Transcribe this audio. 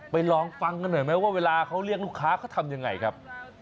ลองฟังกันหน่อยไหมว่าเวลาเขาเรียกลูกค้าเขาทำยังไงครับ